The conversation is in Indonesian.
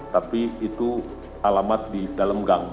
tapi itu alamat di dalam gang